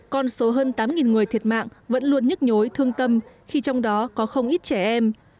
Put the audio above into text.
con số hơn tám người thiệt mạng vẫn luôn nhức nhối thương tâm khi trong đó có không ít trẻ em